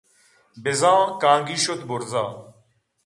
بِہ زاں کانگی شُت بُرز ءَ